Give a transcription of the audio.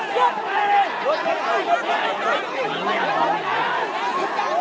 คุณป้าหลอกครับครับยิงไหนเจ้าหนี้เขาจัดการครับ